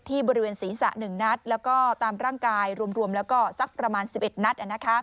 บริเวณศีรษะ๑นัดแล้วก็ตามร่างกายรวมแล้วก็สักประมาณ๑๑นัด